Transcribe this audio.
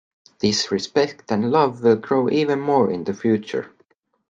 This respect and love will grow even more in the future.